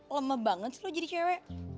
lama banget sih lo jadi cewek